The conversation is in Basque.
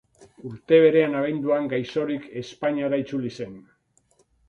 Urte berean, abenduan, gaixorik, Espainiara itzuli zen.